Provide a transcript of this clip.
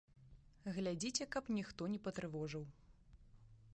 Глядзіце, каб ніхто не патрывожыў!